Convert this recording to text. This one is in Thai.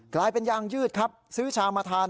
กลายเป็นยางยืดครับซื้อชามาทาน